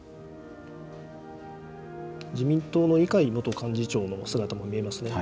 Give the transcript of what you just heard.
自民党の二階元幹事長の姿も見えますね。